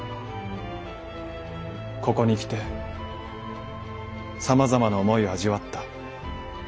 ここに来てさまざまな思いを味わった。